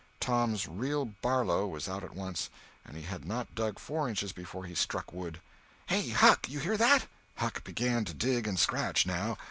Tom's "real Barlow" was out at once, and he had not dug four inches before he struck wood. "Hey, Huck!—you hear that?" Huck began to dig and scratch now.